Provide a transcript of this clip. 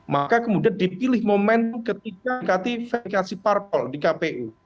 maka kemudian dipilih momentum ketika mengikuti verifikasi parpol di kpu